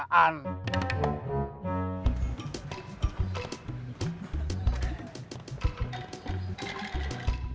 taslim harus dicegah